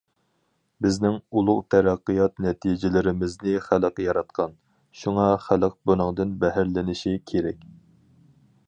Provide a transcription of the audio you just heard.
بىزنىڭ ئۇلۇغ تەرەققىيات نەتىجىلىرىمىزنى خەلق ياراتقان، شۇڭا خەلق بۇنىڭدىن بەھرىلىنىشى كېرەك.